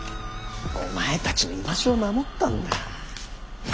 お前たちの居場所を守ったんだ。